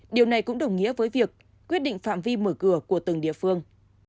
điều này cũng đồng nghĩa với việc quyết định phạm vi mở cửa của từng địa phương